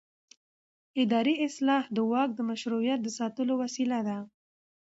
اداري اصلاح د واک د مشروعیت د ساتلو وسیله ده